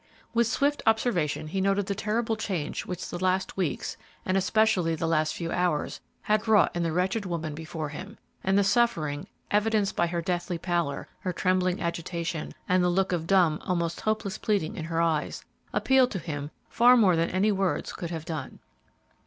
With swift observation he noted the terrible change which the last weeks, and especially the last few hours, had wrought in the wretched woman before him, and the suffering, evidenced by her deathly pallor, her trembling agitation, and the look of dumb, almost hopeless pleading in her eyes, appealed to him far more than any words could have done.